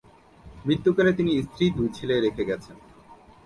মৃত্যুকালে তিনি স্ত্রী, দুই ছেলে রেখে গেছেন।